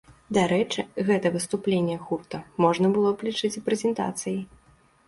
Дарэчы, гэта выступленне гурта можна было б лічыць і прэзентацыяй.